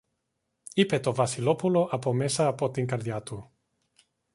είπε το Βασιλόπουλο από μέσα από την καρδιά του.